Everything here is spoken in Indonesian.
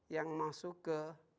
yang masuk ke